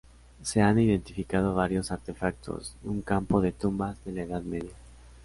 Se han identificado varios artefactos y un campo de tumbas de la Edad Media.